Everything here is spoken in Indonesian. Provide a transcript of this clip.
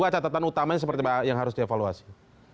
catatan utamanya seperti yang harus dievaluasi